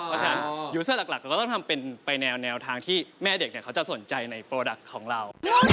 เพราะฉะนั้นยูเซอร์หลักเราก็ต้องทำเป็นไปแนวทางที่แม่เด็กเขาจะสนใจในโปรดักต์ของเรา